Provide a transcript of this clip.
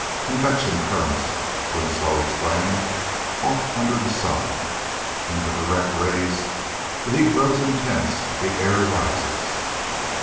"Convection currents," Winslow explained; "off under the sun. In the direct rays the heat grows intense; the air rises.